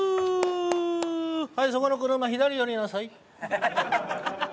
はいそこの車左寄りなさい。